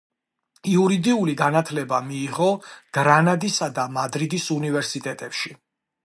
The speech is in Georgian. იურიდიული განათლება მიიღო გრანადისა და მადრიდის უნივერსიტეტებში.